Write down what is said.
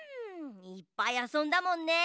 いっぱいあそんだもんね。